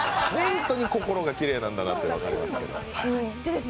本当に心がきれいなんだなと分かります。